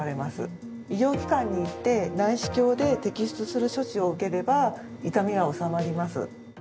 医療機関に行って内視鏡で摘出する処置を受ければ痛みは治まります。